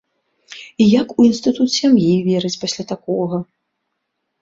І як у інстытут сям'і верыць пасля такога?